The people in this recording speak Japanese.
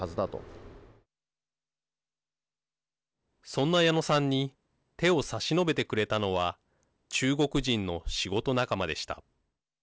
そんな矢野さんに手を差し伸べてくれたのは中国人の仕事仲間でした。